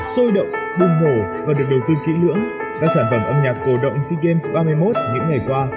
xôi động buồn hổ và được đầu tư kỹ lưỡng các sản phẩm âm nhạc cổ động sea games ba mươi một những ngày qua